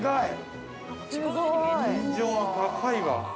◆天井が高いわ！